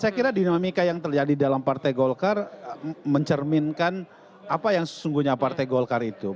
saya kira dinamika yang terjadi dalam partai golkar mencerminkan apa yang sesungguhnya partai golkar itu